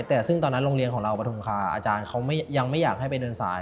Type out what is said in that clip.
แต่ซึ่งตอนนั้นโรงเรียนของเราปฐุมคาอาจารย์เขายังไม่อยากให้ไปเดินสาย